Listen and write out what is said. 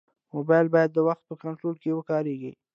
موبایل باید د وخت په کنټرول کې وکارېږي.